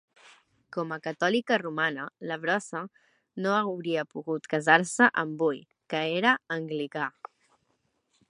Com a catòlica romana, LaBrosse no hauria pogut casar-se amb Bull, que era anglicà.